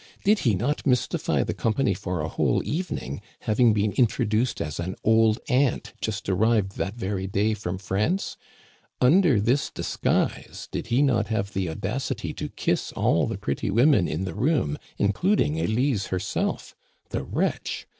Did he not mystify the company for a whole evening, having been introduced as an old aunt just arrived that very day from France ? Under this disguise, did he not have the audacity to kiss all the pretty women in the room, including Elise herself ? The wretch